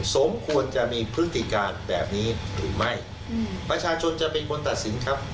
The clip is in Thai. สมควรจะมีพฤติการแบบนี้หรือไม่ประชาชนจะเป็นคนตัดสินครับ